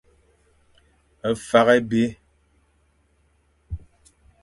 Fakh ébi.